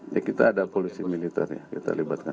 ya kita ada polisi militernya kita libatkan